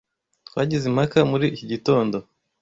Twagize impaka muri iki gitondo.